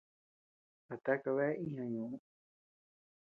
¿A takabea iña ñuʼüu?